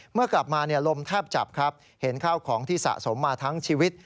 เมื่อกลับมาลมแทบจับครับเห็นข้าวของที่สะสมมาทั้งชีวิต